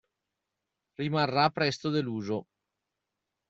Rimarrà presto deluso.